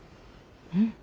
うん。